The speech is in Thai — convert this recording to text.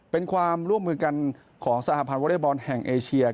เป็นความร่วมมือกันของสหพันธ์วอเล็กบอลแห่งเอเชีย